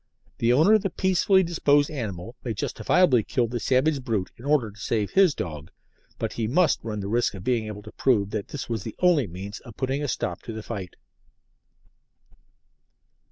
The owner of the peaceably disposed animal may justifiably kill the savage brute in order to save his dog, but he must run the risk of being able to prove that this was the only means of putting a stop to the fight.